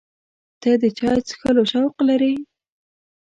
ته د چای څښلو شوق لرې؟